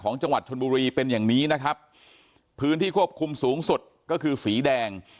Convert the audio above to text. จังหวัดชนบุรีเป็นอย่างนี้นะครับพื้นที่ควบคุมสูงสุดก็คือสีแดง